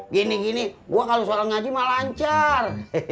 gini gini gue kalau seorang ngaji malah lancar